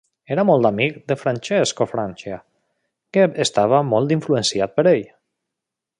Era molt amic de Francesco Francia, que estava molt influenciat per ell.